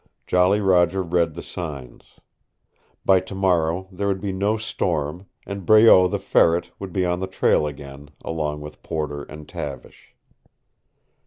Jolly Roger read the signs. By tomorrow there would be no storm and Breault the Ferret would be on the trail again, along with Porter and Tavish.